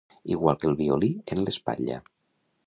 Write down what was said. Igual que el Violí, en l'espatlla.